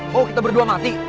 mau kita berdua mati